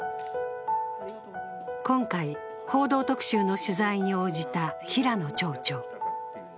今回「報道特集」の取材に応じた平野町長。